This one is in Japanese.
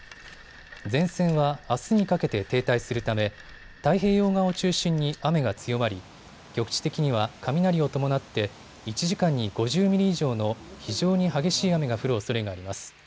前線はあすにかけて停滞するため太平洋側を中心に雨が強まり、局地的には雷を伴って１時間に５０ミリ以上の非常に激しい雨が降るおそれがあります。